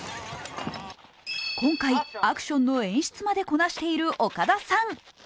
今回、アクションの演出までこなしている岡田さん。